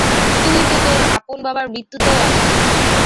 তুই তো তোর আপন বাবার মৃত্যুতেও আসিস নি!